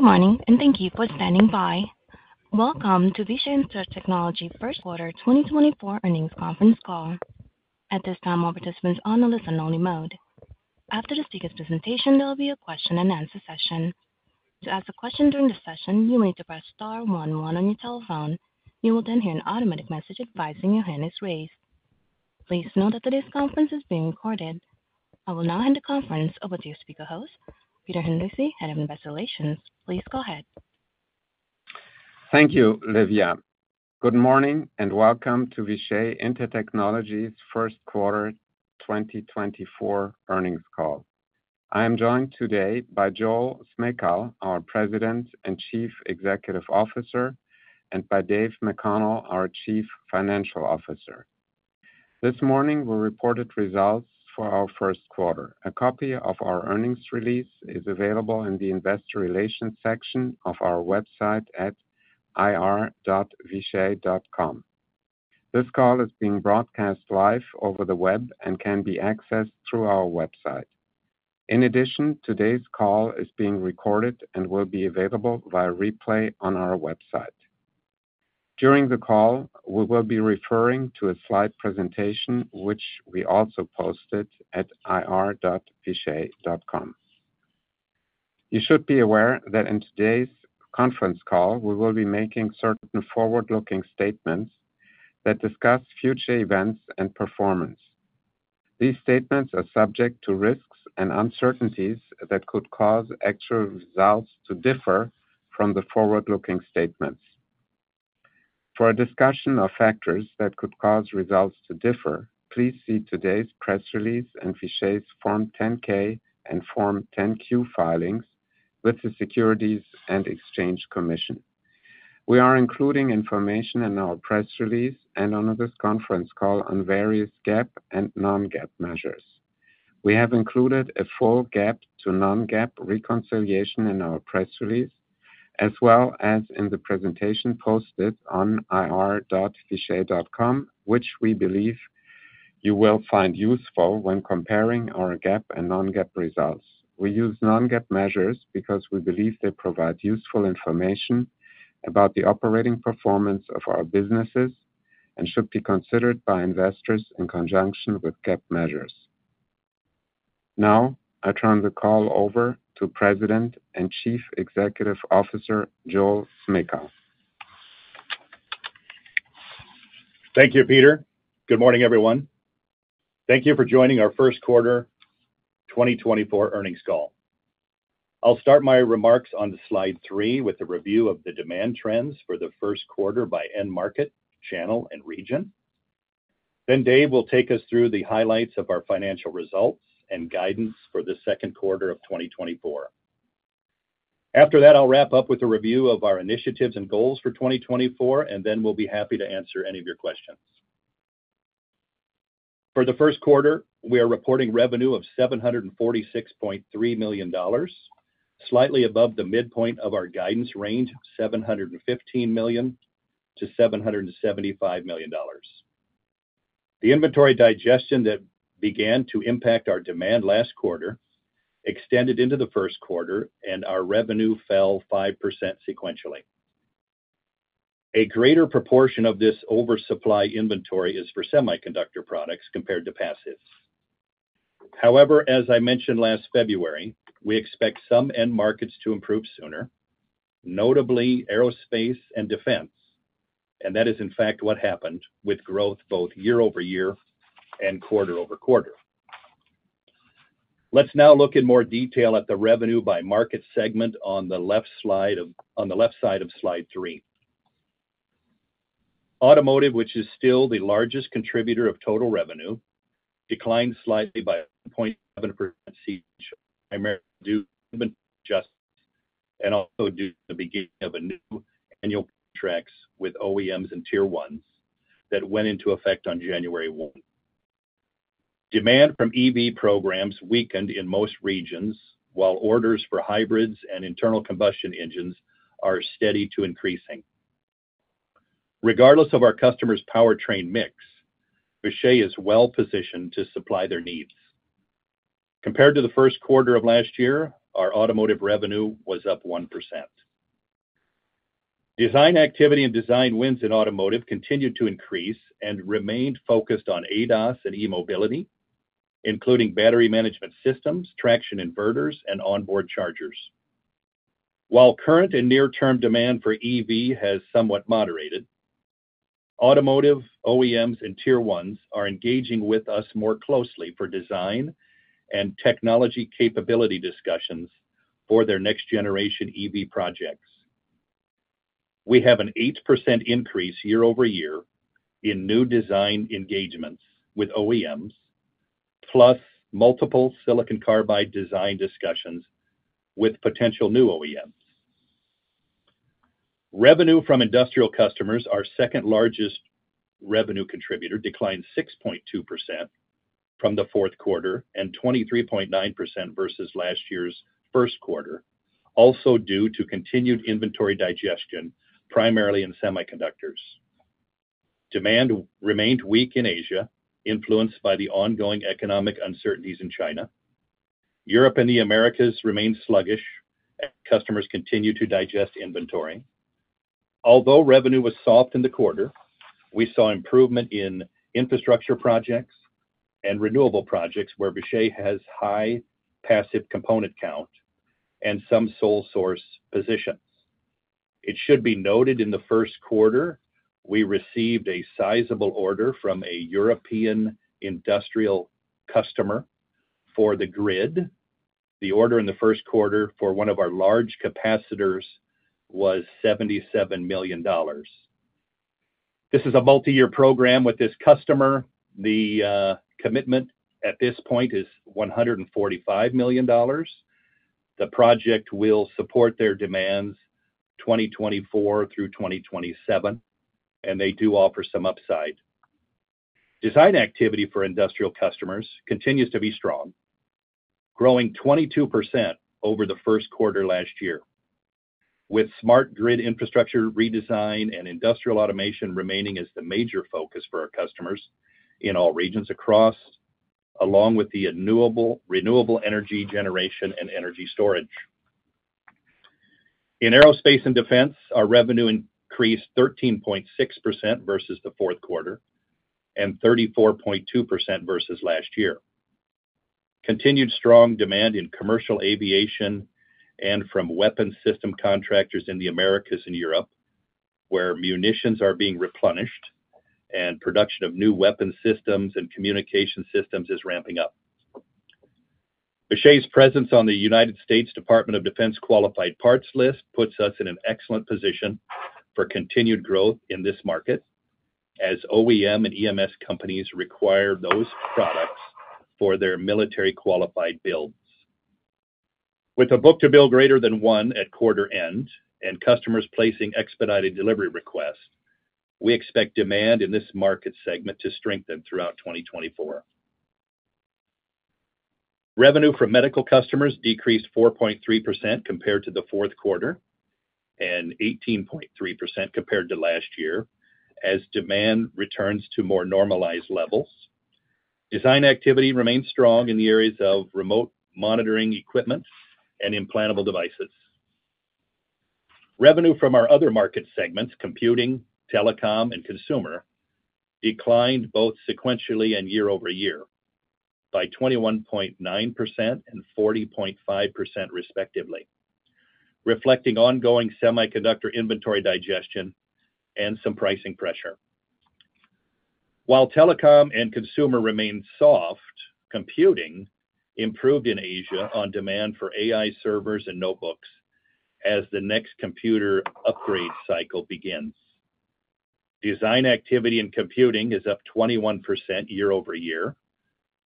Good morning, and thank you for standing by. Welcome to Vishay Intertechnology Q1 2024 earnings conference call. At this time, all participants on a listen-only mode. After the speaker's presentation, there will be a question-and-answer session. To ask a question during the session, you need to press star one one on your telephone. You will then hear an automatic message advising your hand is raised. Please note that today's conference is being recorded. I will now hand the conference over to your speaker host, Peter Henrici, Head of Investor Relations. Please go ahead. Thank you, Livia. Good morning, and welcome to Vishay Intertechnology's Q1 2024 earnings call. I am joined today by Joel Smejkal, our President and Chief Executive Officer, and by Dave McConnell, our Chief Financial Officer. This morning, we reported results for our Q1. A copy of our earnings release is available in the investor relations section of our website at ir.vishay.com. This call is being broadcast live over the web and can be accessed through our website. In addition, today's call is being recorded and will be available via replay on our website. During the call, we will be referring to a slide presentation, which we also posted at ir.vishay.com. You should be aware that in today's conference call, we will be making certain forward-looking statements that discuss future events and performance. These statements are subject to risks and uncertainties that could cause actual results to differ from the forward-looking statements. For a discussion of factors that could cause results to differ, please see today's press release and Vishay's Form 10-K and Form 10-Q filings with the Securities and Exchange Commission. We are including information in our press release and on this conference call on various GAAP and non-GAAP measures. We have included a full GAAP to non-GAAP reconciliation in our press release, as well as in the presentation posted on ir.vishay.com, which we believe you will find useful when comparing our GAAP and non-GAAP results. We use non-GAAP measures because we believe they provide useful information about the operating performance of our businesses and should be considered by investors in conjunction with GAAP measures. Now, I turn the call over to President and Chief Executive Officer, Joel Smejkal. Thank you, Peter. Good morning, everyone. Thank you for joining our Q1 2024 earnings call. I'll start my remarks on slide three with a review of the demand trends for the Q1 by end market, channel, and region. Then Dave will take us through the highlights of our financial results and guidance for the Q2 of 2024. After that, I'll wrap up with a review of our initiatives and goals for 2024, and then we'll be happy to answer any of your questions. For the Q1, we are reporting revenue of $746.3 million, slightly above the midpoint of our guidance range, $715 million to $775 million. The inventory digestion that began to impact our demand last quarter extended into the Q1, and our revenue fell 5% sequentially. A greater proportion of this oversupply inventory is for semiconductor products compared to passives. However, as I mentioned last February, we expect some end markets to improve sooner, notably aerospace and defense, and that is, in fact, what happened with growth both year-over-year and quarter-over-quarter. Let's now look in more detail at the revenue by market segment on the left side of slide three. Automotive, which is still the largest contributor of total revenue, declined slightly by 0.7%, primarily due to adjustment and also due to the beginning of a new annual contracts with OEMs and Tier 1s that went into effect on January 1. Demand from EV programs weakened in most regions, while orders for hybrids and internal combustion engines are steady to increasing. Regardless of our customers' powertrain mix, Vishay is well-positioned to supply their needs. Compared to the Q1 of last year, our automotive revenue was up 1%. Design activity and design wins in automotive continued to increase and remained focused on ADAS and e-mobility, including battery management systems, traction inverters, and onboard chargers. While current and near-term demand for EV has somewhat moderated, automotive OEMs and Tier 1s are engaging with us more closely for design and technology capability discussions for their next generation EV projects. We have an 8% increase year-over-year in new design engagements with OEMs, plus multiple silicon carbide design discussions with potential new OEMs. Revenue from industrial customers, our second-largest revenue contributor, declined 6.2% from the Q4 and 23.9% versus last year's Q1, also due to continued inventory digestion, primarily in semiconductors. Demand remained weak in Asia, influenced by the ongoing economic uncertainties in China. Europe and the Americas remained sluggish, and customers continued to digest inventory. Although revenue was soft in the quarter, we saw improvement in infrastructure projects and renewable projects, where Vishay has high passive component count and some sole source positions. It should be noted, in the Q1, we received a sizable order from a European industrial customer for the grid. The order in the Q1 for one of our large capacitors was $77 million. This is a multi-year program with this customer. The commitment at this point is $145 million. The project will support their demands, 2024 through 2027, and they do offer some upside. Design activity for industrial customers continues to be strong, growing 22% over the Q1 last year, with smart grid infrastructure redesign and industrial automation remaining as the major focus for our customers in all regions across, along with the renewable energy generation and energy storage. In aerospace and defense, our revenue increased 13.6% versus the Q4 and 34.2% versus last year. Continued strong demand in commercial aviation and from weapons system contractors in the Americas and Europe, where munitions are being replenished and production of new weapon systems and communication systems is ramping up. Vishay's presence on the United States Department of Defense Qualified Parts List puts us in an excellent position for continued growth in this market, as OEM and EMS companies require those products for their military-qualified builds. With a book-to-bill greater than one at quarter end and customers placing expedited delivery requests, we expect demand in this market segment to strengthen throughout 2024. Revenue from medical customers decreased 4.3% compared to the Q4, and 18.3% compared to last year, as demand returns to more normalized levels. Design activity remains strong in the areas of remote monitoring equipment and implantable devices. Revenue from our other market segments, computing, telecom, and consumer, declined both sequentially and year-over-year by 21.9% and 40.5%, respectively, reflecting ongoing semiconductor inventory digestion and some pricing pressure. While telecom and consumer remained soft, computing improved in Asia on demand for AI servers and notebooks as the next computer upgrade cycle begins. Design activity in computing is up 21% year-over-year,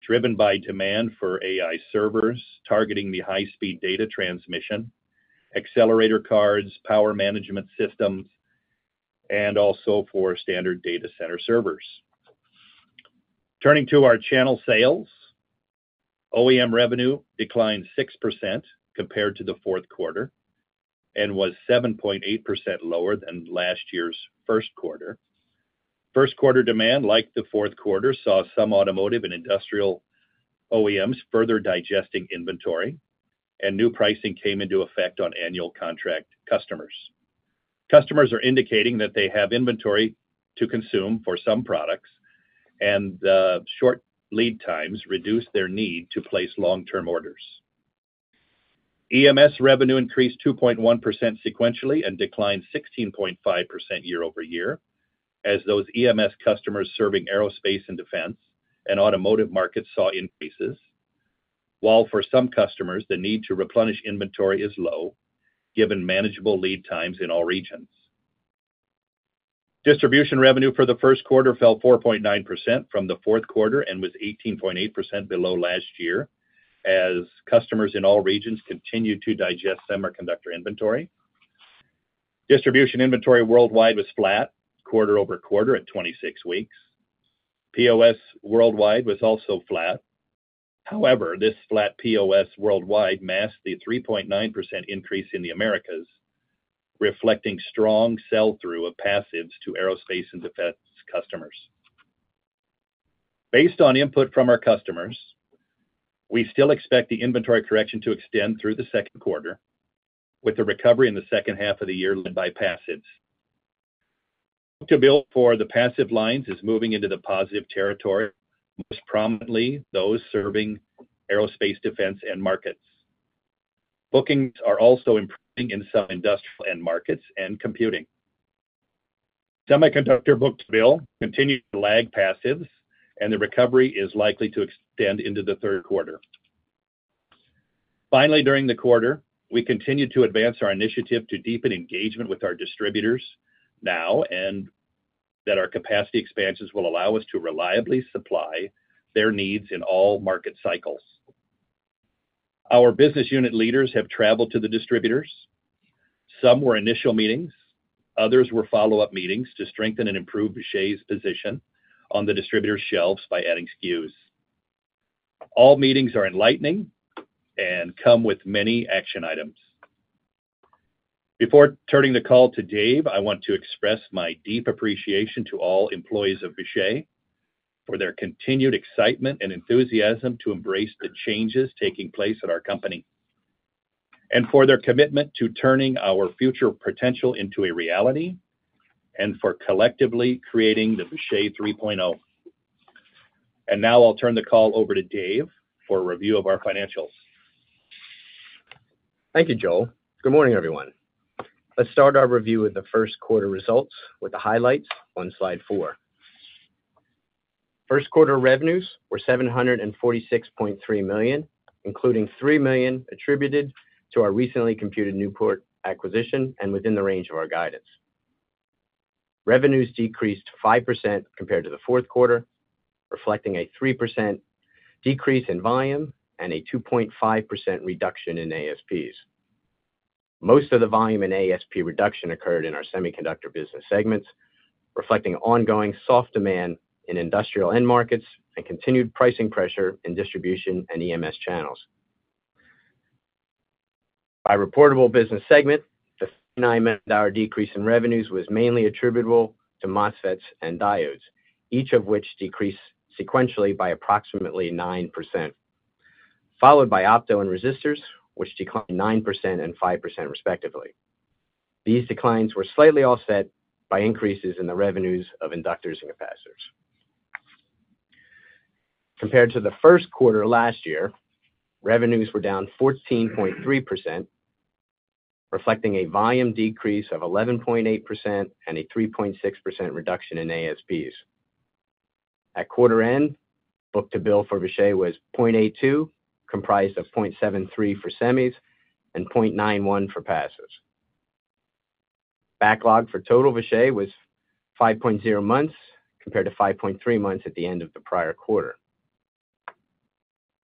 driven by demand for AI servers, targeting the high-speed data transmission, accelerator cards, power management systems, and also for standard data center servers. Turning to our channel sales. OEM revenue declined 6% compared to the Q4 and was 7.8% lower than last year's Q1. Q1 demand, like the Q4, saw some automotive and industrial OEMs further digesting inventory, and new pricing came into effect on annual contract customers. Customers are indicating that they have inventory to consume for some products, and, short lead times reduce their need to place long-term orders. EMS revenue increased 2.1% sequentially and declined 16.5% year-over-year, as those EMS customers serving aerospace and defense and automotive markets saw increases. While for some customers, the need to replenish inventory is low, given manageable lead times in all regions. Distribution revenue for the Q1 fell 4.9% from the Q4 and was 18.8% below last year, as customers in all regions continued to digest semiconductor inventory. Distribution inventory worldwide was flat, quarter-over-quarter at 26 weeks. POS worldwide was also flat. However, this flat POS worldwide masked a 3.9% increase in the Americas, reflecting strong sell-through of passives to aerospace and defense customers. Based on input from our customers, we still expect the inventory correction to extend through the Q2, with a recovery in the second half of the year led by passives. Book-to-bill for the passive lines is moving into the positive territory, most prominently, those serving aerospace, defense, and markets. Bookings are also improving in some industrial end markets and computing. Semiconductor book-to-bill continued to lag passives, and the recovery is likely to extend into the Q3. Finally, during the quarter, we continued to advance our initiative to deepen engagement with our distributors now and that our capacity expansions will allow us to reliably supply their needs in all market cycles. Our business unit leaders have traveled to the distributors. Some were initial meetings, others were follow-up meetings to strengthen and improve Vishay's position on the distributor shelves by adding SKUs. All meetings are enlightening and come with many action items.... Before turning the call to Dave, I want to express my deep appreciation to all employees of Vishay for their continued excitement and enthusiasm to embrace the changes taking place at our company, and for their commitment to turning our future potential into a reality, and for collectively creating the Vishay 3.0. Now I'll turn the call over to Dave for a review of our financials. Thank you, Joel. Good morning, everyone. Let's start our review of the Q1 results with the highlights on slide four. Q1 revenues were $746.3 million, including $3 million attributed to our recently completed Newport acquisition and within the range of our guidance. Revenues decreased 5% compared to the Q4, reflecting a 3% decrease in volume and a 2.5% reduction in ASPs. Most of the volume in ASP reduction occurred in our semiconductor business segments, reflecting ongoing soft demand in industrial end markets and continued pricing pressure in distribution and EMS channels. By reportable business segment, the $9 million decrease in revenues was mainly attributable to MOSFETs and diodes, each of which decreased sequentially by approximately 9%, followed by opto and resistors, which declined 9% and 5%, respectively. These declines were slightly offset by increases in the revenues of inductors and capacitors. Compared to the Q1 of last year, revenues were down 14.3%, reflecting a volume decrease of 11.8% and a 3.6% reduction in ASPs. At quarter end, book-to-bill for Vishay was 0.82, comprised of 0.73 for semis and 0.91 for passives. Backlog for total Vishay was 5.0 months, compared to 5.3 months at the end of the prior quarter.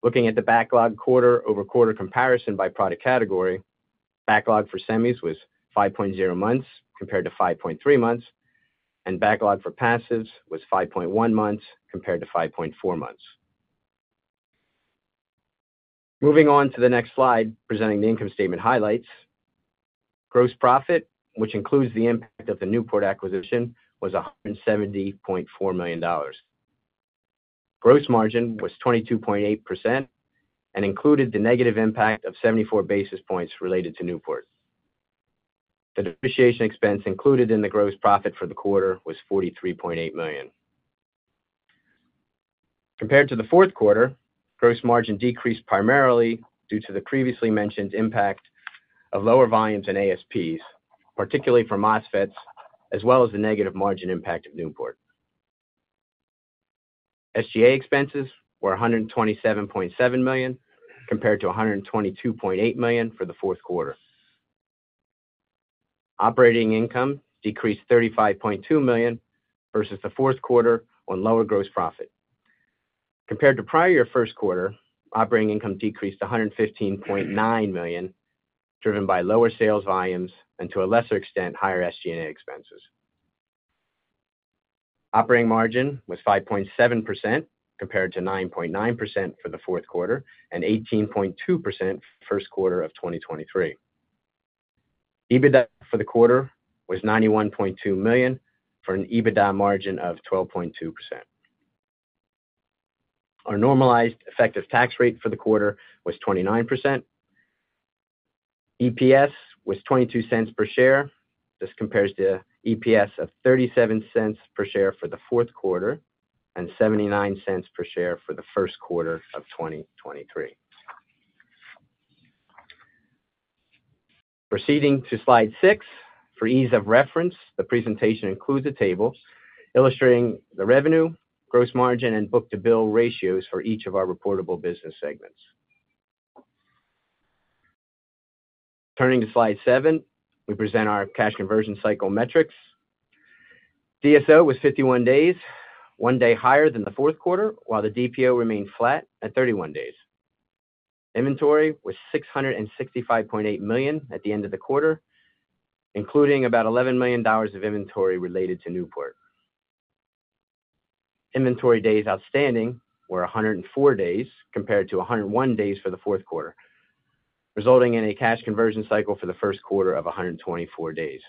Looking at the backlog quarter-over-quarter comparison by product category, backlog for semis was 5.0 months compared to 5.3 months, and backlog for passives was 5.1 months compared to 5.4 months. Moving on to the next slide, presenting the income statement highlights. Gross profit, which includes the impact of the Newport acquisition, was $170.4 million. Gross margin was 22.8% and included the negative impact of 74 basis points related to Newport. The depreciation expense included in the gross profit for the quarter was $43.8 million. Compared to the Q4, gross margin decreased primarily due to the previously mentioned impact of lower volumes in ASPs, particularly for MOSFETs, as well as the negative margin impact of Newport. SG&A expenses were $127.7 million, compared to $122.8 million for the Q4. Operating income decreased $35.2 million versus the Q4 on lower gross profit. Compared to prior year Q1, operating income decreased to $115.9 million, driven by lower sales volumes and, to a lesser extent, higher SG&A expenses. Operating margin was 5.7%, compared to 9.9% for the Q4 and 18.2% Q1 of 2023. EBITDA for the quarter was $91.2 million, for an EBITDA margin of 12.2%. Our normalized effective tax rate for the quarter was 29%. EPS was $0.22 per share. This compares to EPS of $0.37 per share for the Q4 and $0.79 per share for the Q1 of 2023. Proceeding to slide six, for ease of reference, the presentation includes a table illustrating the revenue, gross margin, and book-to-bill ratios for each of our reportable business segments. Turning to slide seven, we present our cash conversion cycle metrics. DSO was 51 days, one day higher than the Q4, while the DPO remained flat at 31 days. Inventory was $665.8 million at the end of the quarter, including about $11 million of inventory related to Newport. Inventory days outstanding were 104 days, compared to 101 days for the Q4, resulting in a cash conversion cycle for the Q1 of 124 days.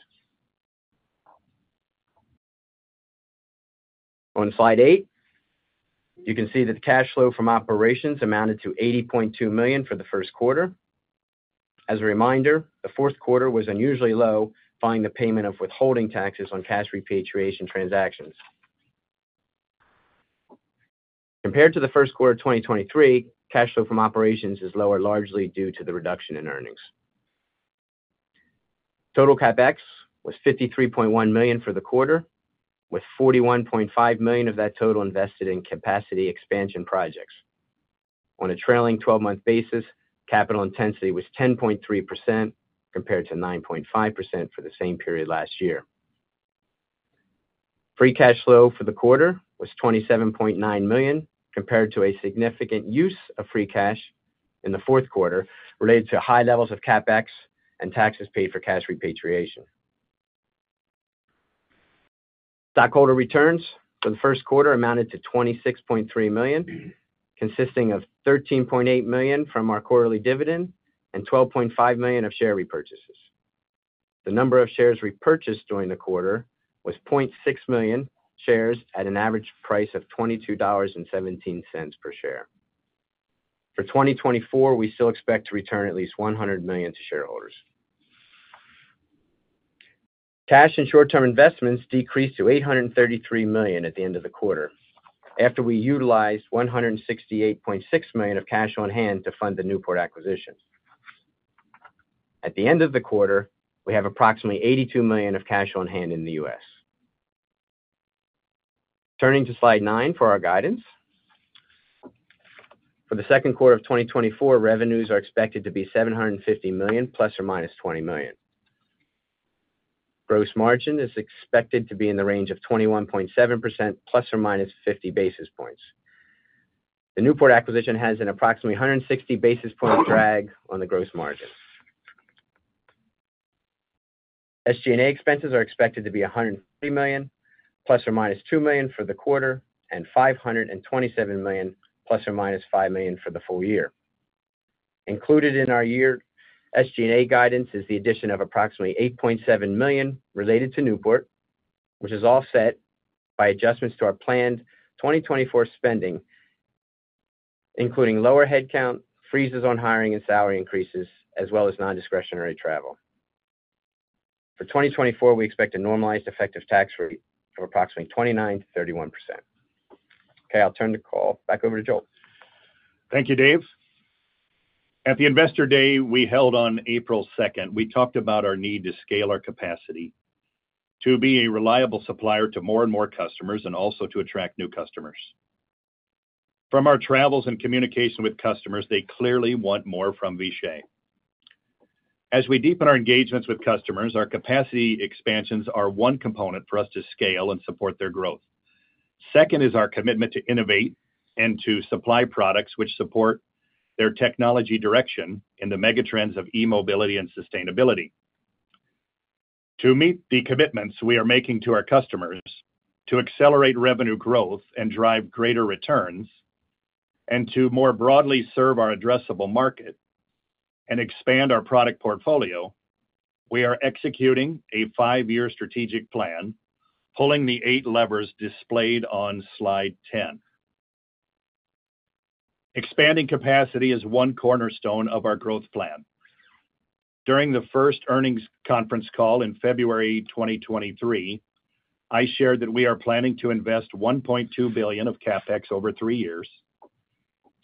On slide eight, you can see that the cash flow from operations amounted to $80.2 million for the Q1. As a reminder, the Q4 was unusually low, following the payment of withholding taxes on cash repatriation transactions. Compared to the Q1 of 2023, cash flow from operations is lower, largely due to the reduction in earnings. Total CapEx was $53.1 million for the quarter, with $41.5 million of that total invested in capacity expansion projects. On a trailing twelve-month basis, capital intensity was 10.3%, compared to 9.5% for the same period last year. Free cash flow for the quarter was $27.9 million, compared to a significant use of free cash in the Q4 related to high levels of CapEx and taxes paid for cash repatriation. Stockholder returns for the Q1 amounted to $26.3 million, consisting of $13.8 million from our quarterly dividend and $12.5 million of share repurchases. The number of shares repurchased during the quarter was 0.6 million shares at an average price of $22.17 per share. For 2024, we still expect to return at least $100 million to shareholders. Cash and short-term investments decreased to $833 million at the end of the quarter, after we utilized $168.6 million of cash on hand to fund the Newport acquisition. At the end of the quarter, we have approximately $82 million of cash on hand in the U.S. Turning to slide nine for our guidance. For the Q2 of 2024, revenues are expected to be $750 million ± $20 million. Gross margin is expected to be in the range of 21.7% ± 50 basis points. The Newport acquisition has an approximately 160 basis point drag on the gross margin. SG&A expenses are expected to be $130 million ±$2 million for the quarter, and $527 million ±$5 million for the full year. Included in our year, SG&A guidance is the addition of approximately $8.7 million related to Newport, which is offset by adjustments to our planned 2024 spending, including lower headcount, freezes on hiring and salary increases, as well as non-discretionary travel. For 2024, we expect a normalized effective tax rate of approximately 29%-31%. Okay, I'll turn the call back over to Joel. Thank you, Dave. At the Investor Day we held on April 2nd, we talked about our need to scale our capacity to be a reliable supplier to more and more customers, and also to attract new customers. From our travels and communication with customers, they clearly want more from Vishay. As we deepen our engagements with customers, our capacity expansions are one component for us to scale and support their growth. Second is our commitment to innovate and to supply products which support their technology direction in the mega trends of e-mobility and sustainability. To meet the commitments we are making to our customers, to accelerate revenue growth and drive greater returns, and to more broadly serve our addressable market and expand our product portfolio, we are executing a five-year strategic plan, pulling the eight levers displayed on slide 10. Expanding capacity is one cornerstone of our growth plan. During the first earnings conference call in February 2023, I shared that we are planning to invest $1.2 billion of CapEx over three years,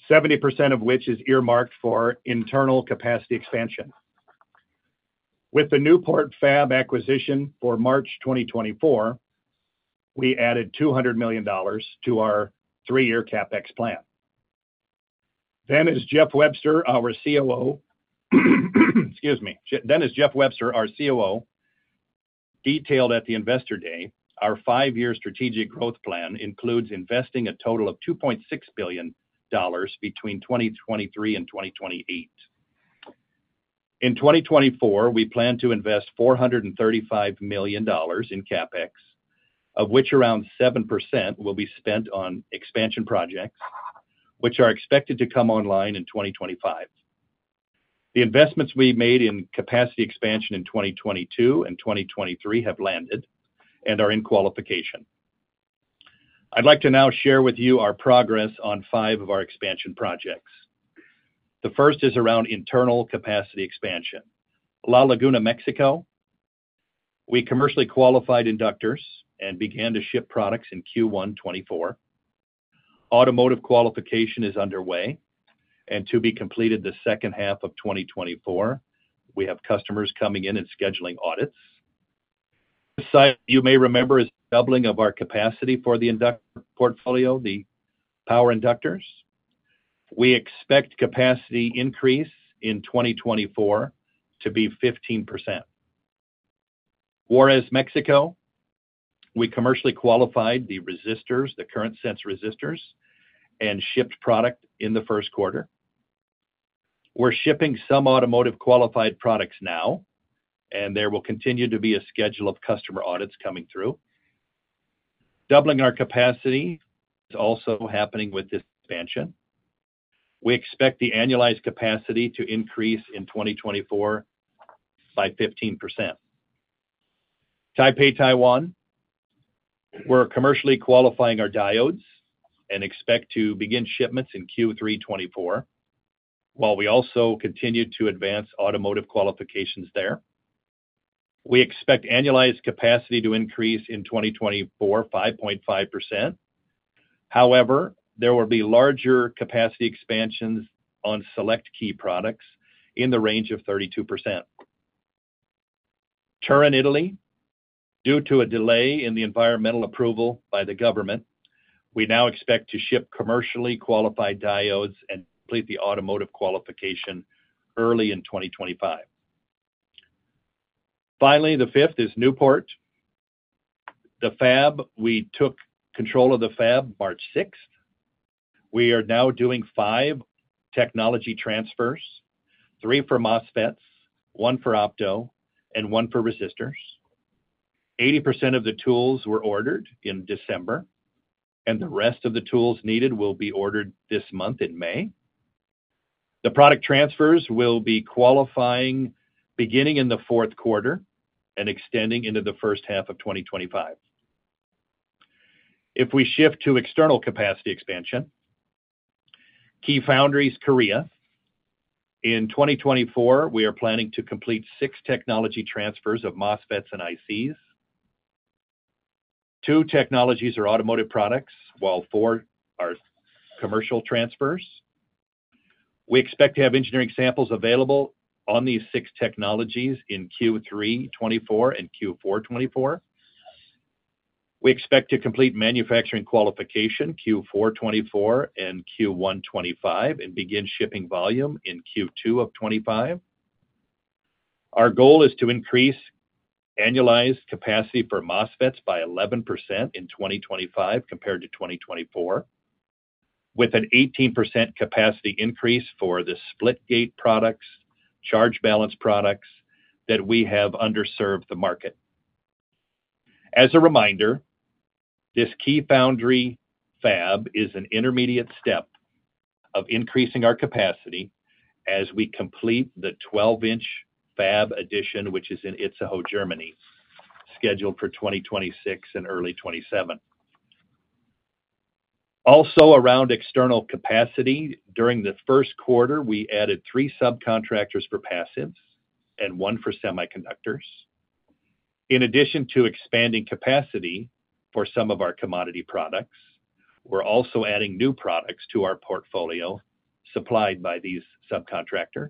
70% of which is earmarked for internal capacity expansion. With the Newport Fab acquisition for March 2024, we added $200 million to our three-year CapEx plan. Then, as Jeff Webster, our COO, detailed at the Investor Day, our five-year strategic growth plan includes investing a total of $2.6 billion between 2023 and 2028. In 2024, we plan to invest $435 million in CapEx, of which around 7% will be spent on expansion projects, which are expected to come online in 2025. The investments we made in capacity expansion in 2022 and 2023 have landed and are in qualification. I'd like to now share with you our progress on five of our expansion projects. The first is around internal capacity expansion. La Laguna, Mexico, we commercially qualified inductors and began to ship products in Q1 2024. Automotive qualification is underway, and to be completed the second half of 2024. We have customers coming in and scheduling audits. This site, you may remember, is doubling of our capacity for the inductor portfolio, the power inductors. We expect capacity increase in 2024 to be 15%. Juarez, Mexico, we commercially qualified the resistors, the current sense resistors, and shipped product in the Q1. We're shipping some automotive qualified products now, and there will continue to be a schedule of customer audits coming through. Doubling our capacity is also happening with this expansion. We expect the annualized capacity to increase in 2024 by 15%. Taipei, Taiwan, we're commercially qualifying our diodes and expect to begin shipments in Q3 2024, while we also continue to advance automotive qualifications there. We expect annualized capacity to increase in 2024, 5.5%. However, there will be larger capacity expansions on select key products in the range of 32%. Turin, Italy, due to a delay in the environmental approval by the government, we now expect to ship commercially qualified diodes and complete the automotive qualification early in 2025. Finally, the fifth is Newport. The fab, we took control of the fab March 6th. We are now doing five technology transfers, three for MOSFETs, one for opto, and one for resistors. 80% of the tools were ordered in December, and the rest of the tools needed will be ordered this month, in May. The product transfers will be qualifying beginning in the Q4 and extending into the first half of 2025. If we shift to external capacity expansion, Key Foundry, Korea. In 2024, we are planning to complete six technology transfers of MOSFETs and ICs. Two technologies are automotive products, while four are commercial transfers. We expect to have engineering samples available on these six technologies in Q3 2024 and Q4 2024. We expect to complete manufacturing qualification Q4 2024 and Q1 2025, and begin shipping volume in Q2 of 2025. Our goal is to increase annualized capacity for MOSFETs by 11% in 2025 compared to 2024, with an 18% capacity increase for the split gate products, charge balance products that we have underserved the market. As a reminder, this Key Foundry fab is an intermediate step of increasing our capacity as we complete the 12-inch fab addition, which is in Itzehoe, Germany, scheduled for 2026 and early 2027. Also, around external capacity, during the Q1, we added three subcontractors for passives and one for semiconductors. In addition to expanding capacity for some of our commodity products, we're also adding new products to our portfolio supplied by these subcontractors.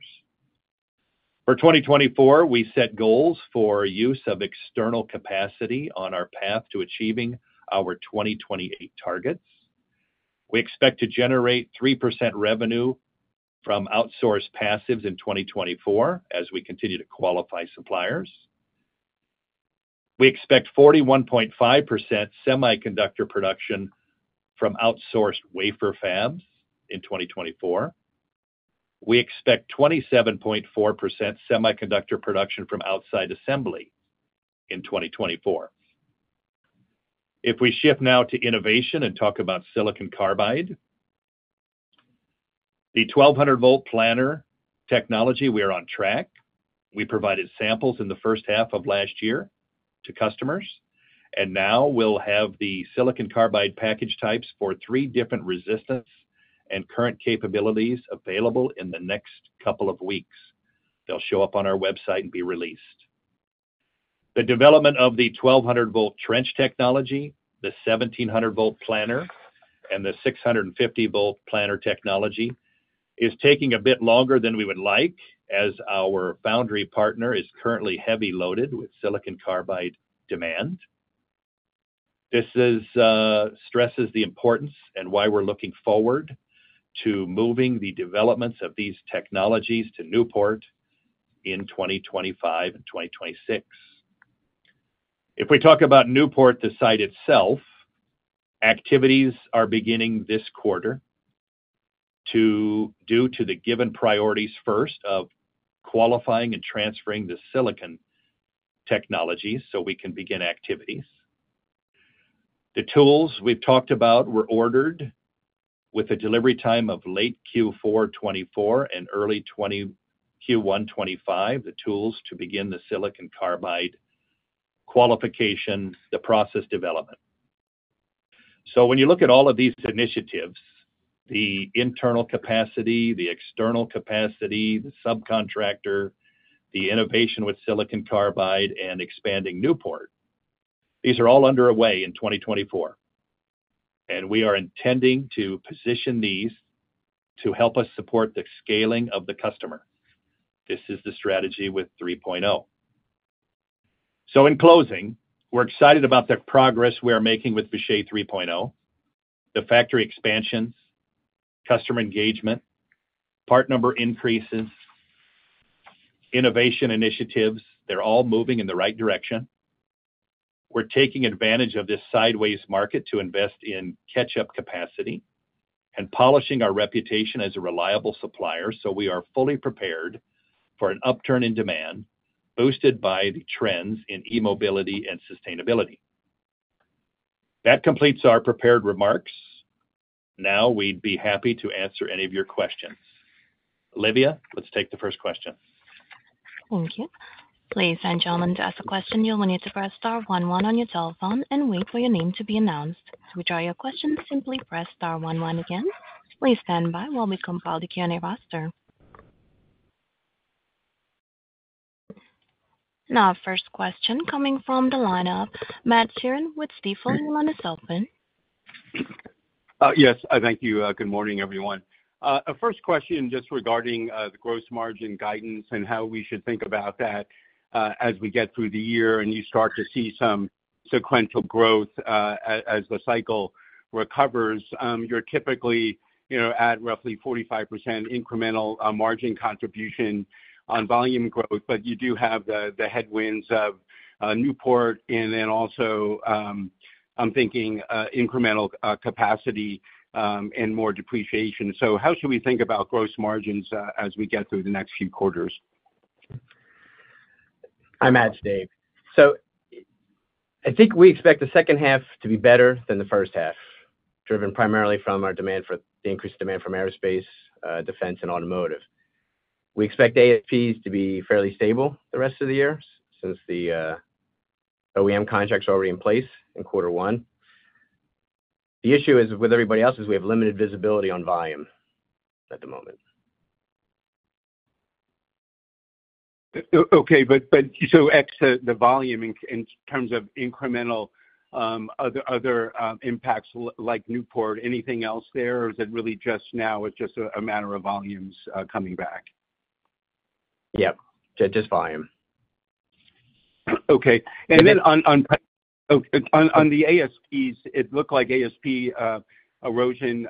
For 2024, we set goals for use of external capacity on our path to achieving our 2028 targets. We expect to generate 3% revenue from outsourced passives in 2024 as we continue to qualify suppliers. We expect 41.5% semiconductor production from outsourced wafer fabs in 2024. We expect 27.4% semiconductor production from outside assembly in 2024. If we shift now to innovation and talk about silicon carbide, the 1200 V planar technology, we are on track. We provided samples in the first half of last year to customers, and now we'll have the silicon carbide package types for three different resistance and current capabilities available in the next couple of weeks. They'll show up on our website and be released. The development of the 1200 V trench technology, the 1700 V planar, and the 650 V planar technology is taking a bit longer than we would like, as our foundry partner is currently heavy loaded with silicon carbide demand. This is stresses the importance and why we're looking forward to moving the developments of these technologies to Newport in 2025 and 2026. If we talk about Newport, the site itself, activities are beginning this quarter due to the given priorities first of qualifying and transferring the silicon technologies so we can begin activities. The tools we've talked about were ordered with a delivery time of late Q4 2024 and early Q1 2025, the tools to begin the silicon carbide qualification, the process development. So when you look at all of these initiatives, the internal capacity, the external capacity, the subcontractor, the innovation with silicon carbide, and expanding Newport, these are all underway in 2024, and we are intending to position these to help us support the scaling of the customer. This is the strategy with 3.0. So in closing, we're excited about the progress we are making with Vishay 3.0. The factory expansions, customer engagement, part number increases, innovation initiatives, they're all moving in the right direction. We're taking advantage of this sideways market to invest in catch-up capacity and polishing our reputation as a reliable supplier, so we are fully prepared for an upturn in demand, boosted by the trends in e-mobility and sustainability. That completes our prepared remarks. Now, we'd be happy to answer any of your questions. Livia, let's take the first question. Thank you. Please, gentlemen, to ask a question, you will need to press star one one on your telephone and wait for your name to be announced. To withdraw your question, simply press star one one again. Please stand by while we compile the Q&A roster. Now, first question coming from the lineup, Matt Sheerin with Stifel Nicolaus. Yes, thank you. Good morning, everyone. A first question just regarding the gross margin guidance and how we should think about that as we get through the year and you start to see some sequential growth as the cycle recovers. You're typically, you know, at roughly 45% incremental margin contribution on volume growth, but you do have the headwinds of Newport and then also, I'm thinking, incremental capacity and more depreciation. So how should we think about gross margins as we get through the next few quarters?... I'm Matt, Dave. So I think we expect the second half to be better than the first half, driven primarily from the increased demand from aerospace, defense, and automotive. We expect ASPs to be fairly stable the rest of the year, since the OEM contracts are already in place in quarter one. The issue is, with everybody else, is we have limited visibility on volume at the moment. Okay, but so ex, the volume in terms of incremental other impacts like Newport, anything else there? Or is it really just now it's just a matter of volumes coming back? Yep, just volume. Okay. And then on the ASPs, it looked like ASP erosion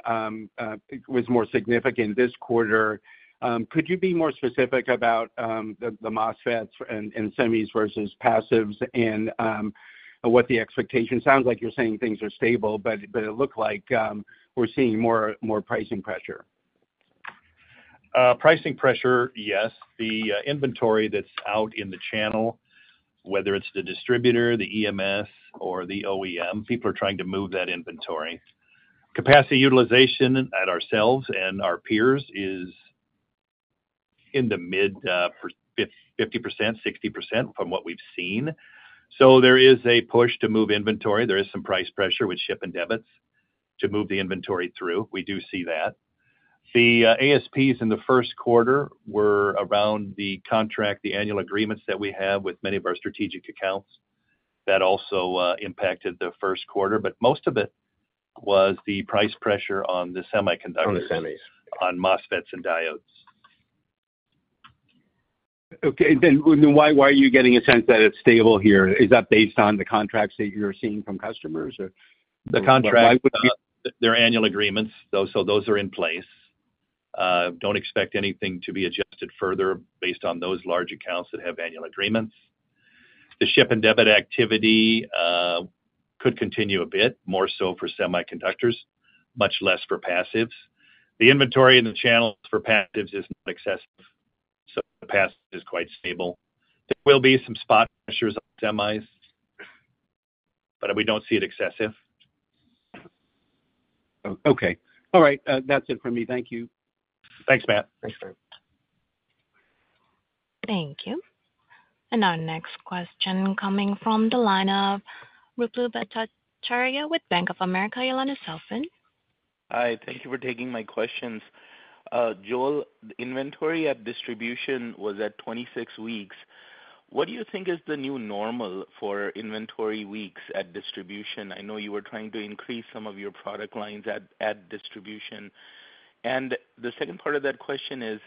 was more significant this quarter. Could you be more specific about the MOSFETs and semis versus passives, and what the expectation? Sounds like you're saying things are stable, but it looked like we're seeing more pricing pressure. Pricing pressure, yes. The inventory that's out in the channel, whether it's the distributor, the EMS or the OEM, people are trying to move that inventory. Capacity utilization at ourselves and our peers is in the mid 50%, 60% from what we've seen. So there is a push to move inventory. There is some price pressure with ship and debits to move the inventory through. We do see that. The ASPs in the Q1 were around the contract, the annual agreements that we have with many of our strategic accounts. That also impacted the Q1, but most of it was the price pressure on the semiconductors. On the semis On MOSFETs and diodes. Okay. Then why, why are you getting a sense that it's stable here? Is that based on the contracts that you're seeing from customers, or? The contract. Their annual agreements, those, so those are in place. Don't expect anything to be adjusted further based on those large accounts that have annual agreements. The ship and debit activity could continue a bit more so for semiconductors, much less for passives. The inventory in the channels for passives is not excessive, so passive is quite stable. There will be some spot pressures on semis, but we don't see it excessive. Okay. All right, that's it for me. Thank you. Thanks, Matt. Thanks, Dave. Thank you. Our next question coming from the line of Ruplu Bhattacharya with Bank of America. You'll unmute yourself in. Hi, thank you for taking my questions. Joel, inventory at distribution was at 26 weeks. What do you think is the new normal for inventory weeks at distribution? I know you were trying to increase some of your product lines at, at distribution. And the second part of that question is,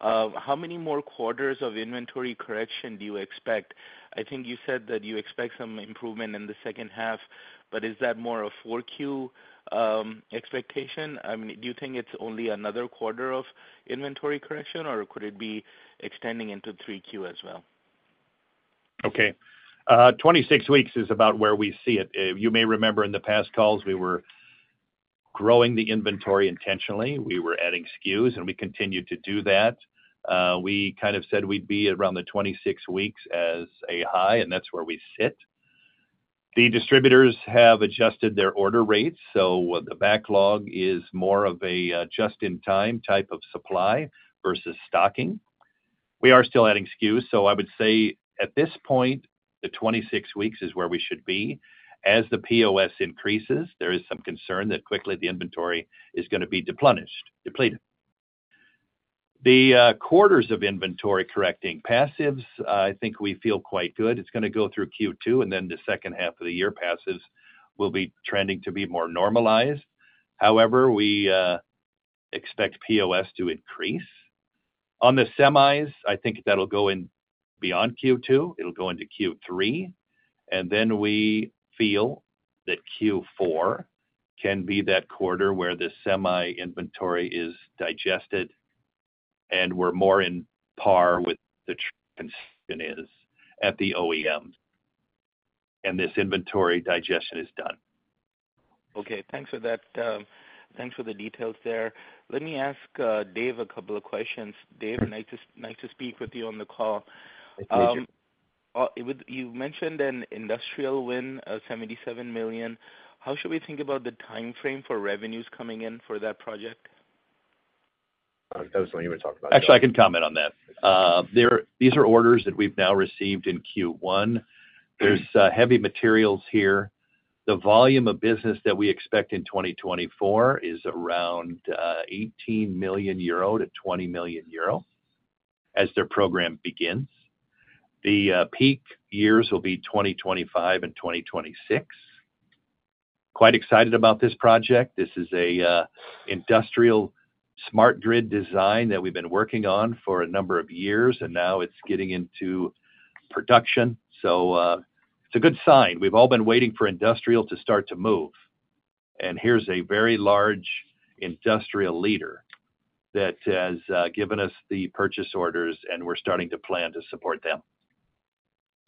how many more quarters of inventory correction do you expect? I think you said that you expect some improvement in the second half, but is that more a Q4 expectation? I mean, do you think it's only another quarter of inventory correction, or could it be extending into Q3 as well? Okay. 26 weeks is about where we see it. You may remember in the past calls, we were growing the inventory intentionally. We were adding SKUs, and we continued to do that. We kind of said we'd be around the 26 weeks as a high, and that's where we sit. The distributors have adjusted their order rates, so what the backlog is more of a just-in-time type of supply versus stocking. We are still adding SKUs, so I would say at this point, the 26 weeks is where we should be. As the POS increases, there is some concern that quickly the inventory is gonna be deplenished, depleted. The quarters of inventory correcting passives, I think we feel quite good. It's gonna go through Q2, and then the second half of the year, passives will be trending to be more normalized. However, we expect POS to increase. On the semis, I think that'll go in beyond Q2, it'll go into Q3, and then we feel that Q4 can be that quarter where the semi inventory is digested, and we're more in par with the OEMs, and this inventory digestion is done. Okay, thanks for that. Thanks for the details there. Let me ask, Dave a couple of questions. Dave, nice to speak with you on the call. Thank you. With what you mentioned an industrial win of $77 million. How should we think about the timeframe for revenues coming in for that project? That was what you were talking about. Actually, I can comment on that. These are orders that we've now received in Q1. There's heavy materials here. The volume of business that we expect in 2024 is around 18 million euro to 20 million euro as their program begins. The peak years will be 2025 and 2026. Quite excited about this project. This is a industrial smart grid design that we've been working on for a number of years, and now it's getting into production. So, it's a good sign. We've all been waiting for industrial to start to move, and here's a very large industrial leader that has given us the purchase orders, and we're starting to plan to support them.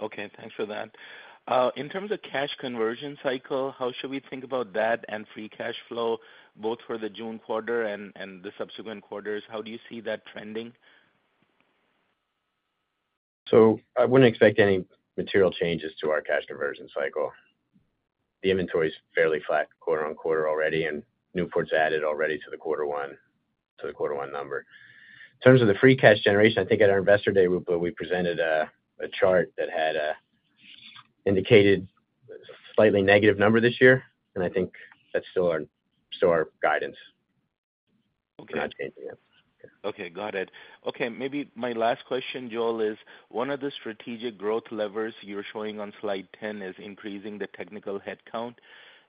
Okay, thanks for that. In terms of Cash Conversion Cycle, how should we think about that and Free Cash Flow, both for the June quarter and the subsequent quarters? How do you see that trending? So I wouldn't expect any material changes to our cash conversion cycle. The inventory is fairly flat quarter-over-quarter already, and Newport's added already to the quarter one, to the quarter one number. In terms of the free cash generation, I think at our Investor Day, Ruplu, we presented a, a chart that had indicated a slightly negative number this year, and I think that's still our, still our guidance. Okay. Not changing it. Okay, got it. Okay, maybe my last question, Joel, is one of the strategic growth levers you're showing on slide 10 is increasing the technical headcount.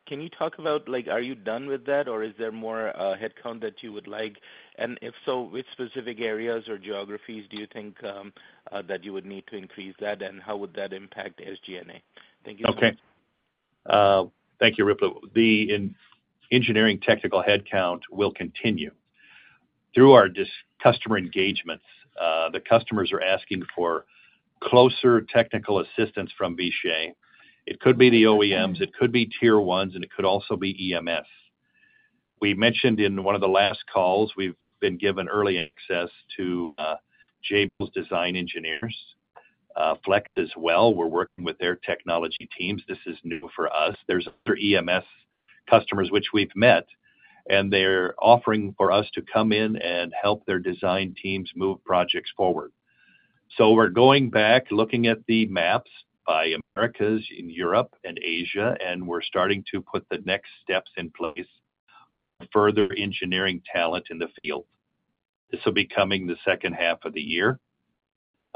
Can you talk about, like, are you done with that, or is there more, headcount that you would like? And if so, which specific areas or geographies do you think that you would need to increase that, and how would that impact SG&A? Thank you. Okay. Thank you, Ruplu. The engineering technical headcount will continue. Through our customer engagements, the customers are asking for closer technical assistance from Vishay. It could be the OEMs, it could be Tier 1s, and it could also be EMS. We mentioned in one of the last calls, we've been given early access to Jabil's design engineers, Flex as well. We're working with their technology teams. This is new for us. There's other EMS customers which we've met, and they're offering for us to come in and help their design teams move projects forward. So we're going back, looking at the maps by Americas, in Europe and Asia, and we're starting to put the next steps in place, further engineering talent in the field. This will be coming the second half of the year.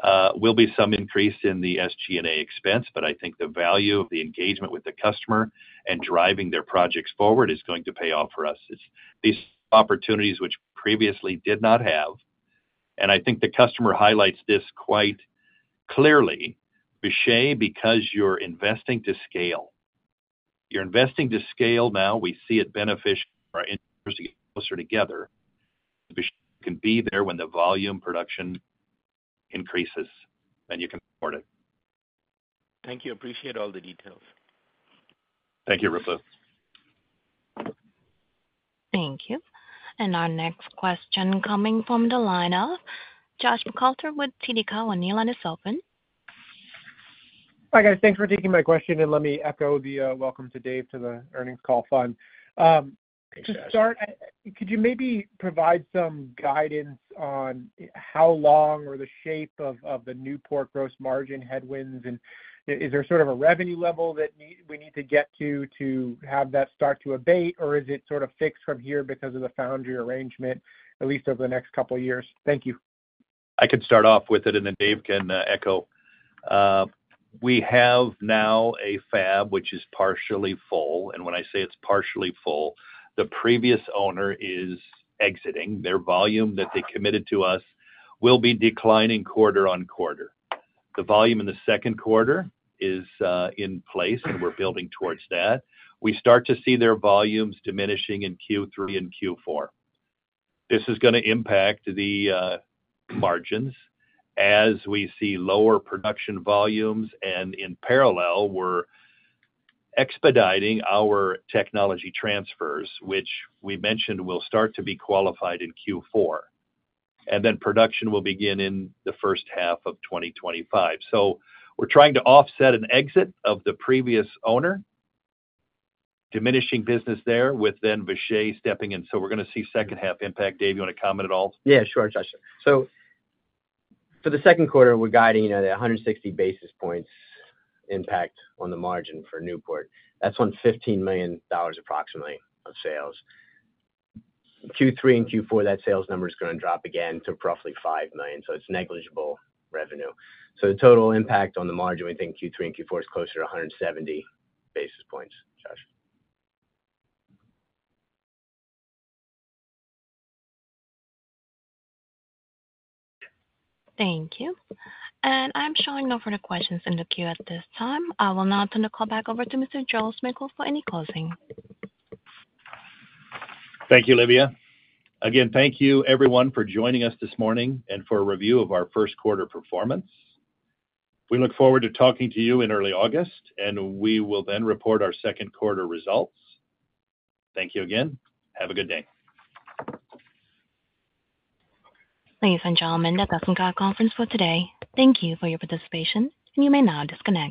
There will be some increase in the SG&A expense, but I think the value of the engagement with the customer and driving their projects forward is going to pay off for us. It's these opportunities which previously did not have, and I think the customer highlights this quite clearly: Vishay, because you're investing to scale. You're investing to scale now. We see it beneficial for our interests to get closer together. Vishay can be there when the volume production increases, and you can support it. Thank you. Appreciate all the details. Thank you, Ruplu. Thank you. Our next question coming from the line of Joshua Buchalter with TD Cowen. Your line is open. Hi, guys. Thanks for taking my question, and let me echo the welcome to Dave to the earnings call fun. To start, could you maybe provide some guidance on how long or the shape of the Newport gross margin headwinds? And is there sort of a revenue level that we need to get to, to have that start to abate, or is it sort of fixed from here because of the foundry arrangement, at least over the next couple of years? Thank you. I can start off with it, and then Dave can echo. We have now a fab which is partially full, and when I say it's partially full, the previous owner is exiting. Their volume that they committed to us will be declining quarter on quarter. The volume in the Q2 is in place, and we're building towards that. We start to see their volumes diminishing in Q3 and Q4. This is gonna impact the margins as we see lower production volumes, and in parallel, we're expediting our technology transfers, which we mentioned will start to be qualified in Q4, and then production will begin in the first half of 2025. So we're trying to offset an exit of the previous owner, diminishing business there, with then Vishay stepping in. So we're gonna see second-half impact. Dave, you want to comment at all? Yeah, sure, Josh. So for the Q2, we're guiding at 160 basis points impact on the margin for Newport. That's on $15 million, approximately, of sales. Q3 and Q4, that sales number is gonna drop again to roughly $5 million, so it's negligible revenue. So the total impact on the margin, we think Q3 and Q4 is closer to 170 basis points, Josh. Thank you. I'm showing no further questions in the queue at this time. I will now turn the call back over to Mr. Joel Smejkal for any closing. Thank you, Livia. Again, thank you everyone for joining us this morning and for a review of our Q1 performance. We look forward to talking to you in early August, and we will then report our Q2 results. Thank you again. Have a good day. Ladies and gentlemen, that does end our conference for today. Thank you for your participation, and you may now disconnect.